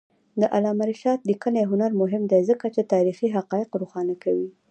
د علامه رشاد لیکنی هنر مهم دی ځکه چې تاریخي حقایق روښانه کوي.